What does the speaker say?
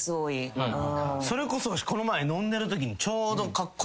それこそわしこの前飲んでるときにちょうど。